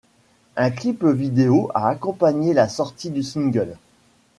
Un clip vidéo a accompagné la sortie du single.